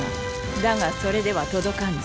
だがそれでは届かんぞ。